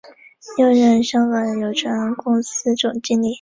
又任香港邮船公司总经理。